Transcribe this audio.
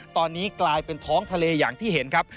ตอนนี้กลายเป็นท้องทะเลอย่างที่เห็นครับ